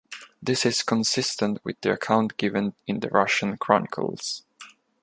This is consistent with the account given in the Russian Chronicles.